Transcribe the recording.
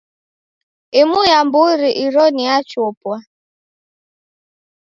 Imu ya mburi iro ni ya chopwa.